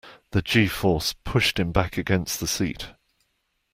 The G-force pushed him back against the seat.